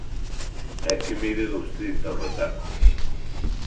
É que mide dous trinta o retaco.